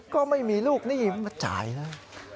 ก็ไม่มีลูกนี่มาจ่ายแล้ว